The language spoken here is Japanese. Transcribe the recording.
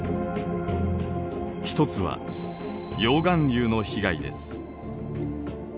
一つは溶岩流の被害です。